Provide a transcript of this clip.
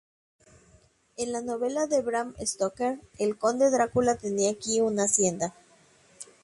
En la novela de Bram Stoker, el conde Drácula tenía aquí una hacienda.